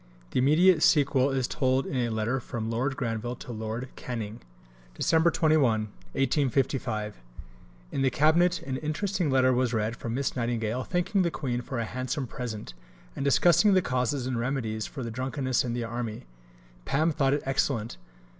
The immediate sequel is told in a letter from Lord Granville to Lord Canning: Dec. 21 . In the Cabinet an interesting letter was read from Miss Nightingale thanking the Queen for a handsome present, and discussing the causes and remedies for the drunkenness in the army. Pam thought it excellent.